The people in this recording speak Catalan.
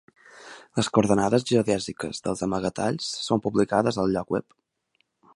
Les coordenades geodèsiques dels amagatalls són publicades al lloc web.